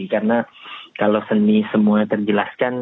karena kalau seni semuanya terjelaskan